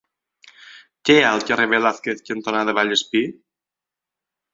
Què hi ha al carrer Velázquez cantonada Vallespir?